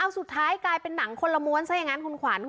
สุดท้ายกลายเป็นหนังคนละม้วนซะอย่างนั้นคุณขวัญ